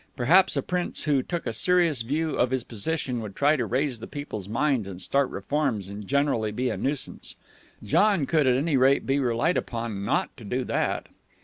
Perhaps a prince who took a serious view of his position would try to raise the people's minds and start reforms and generally be a nuisance. John could, at any rate, be relied upon not to do that.